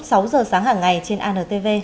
sáu h sáng hàng ngày trên antv